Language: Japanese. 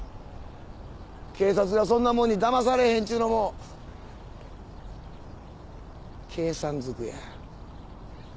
警察がそんなもんにだまされへんちゅうのも計算づくや。